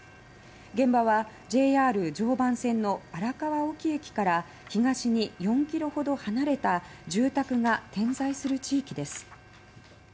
現場はＪＲ常磐線の荒川沖駅から東に４ｋｍほど離れた住宅が点在する地域です。